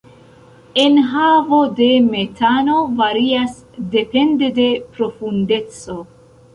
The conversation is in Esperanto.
Enhavo de metano varias depende de profundeco.